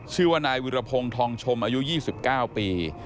ชื่อว่านายวิรพงศ์ทองชมอายุ๒๙ปี